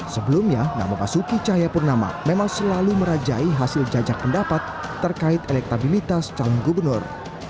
sebelumnya nama basuki cahayapurnama memang selalu merajai hasil jajak pendapat terkait elektabilitas calon gubernur